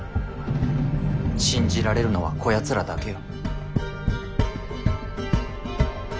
信じられるのはこやつらだけよ。